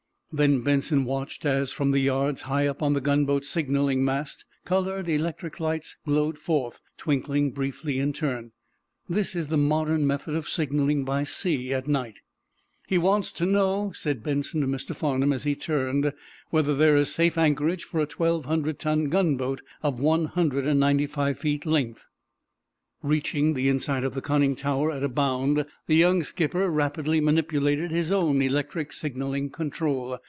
Then Benson watched as, from the yards high up on the gunboat's signaling mast, colored electric lights glowed forth, twinkling briefly in turn. This is the modern method of signaling by sea at night. "He wants to know," said Benson, to Mr. Farnum, as he turned, "whether there is safe anchorage for a twelve hundred ton gunboat of one hundred and ninety five feet length." Reaching the inside of the conning tower at a bound, the young skipper rapidly manipulated his own electric signaling control.